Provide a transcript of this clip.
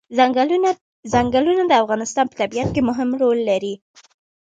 ځنګلونه د افغانستان په طبیعت کې مهم رول لري.